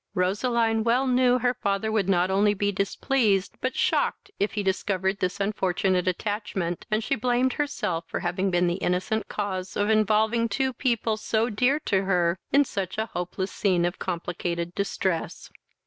Roseline well knew her father would not only be displeased, but shocked, if he discovered this unfortunate attachment, and she blamed herself for having been the innocent cause of involving two people so dear to her in such a hopeless scene of complicated distress.